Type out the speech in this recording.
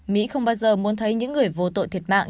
mỹ không bao giờ muốn thấy những người vô tội thiệt mạng